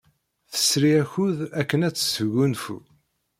Tesri akud akken ad tesgunfu.